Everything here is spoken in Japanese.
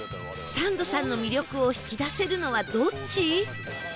サンドさんの魅力を引き出せるのはどっち？